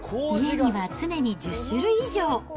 家には常に１０種類以上。